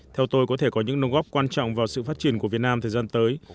theo tôi có thể có những nông góp quan trọng vào sự phát triển của việt nam thời gian tới